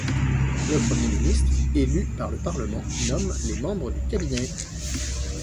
Le Premier ministre, élu par le parlement, nomme les membres du cabinet.